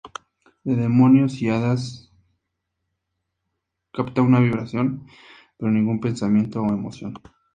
De demonios y hadas capta una vibración, pero ningún pensamiento o emoción.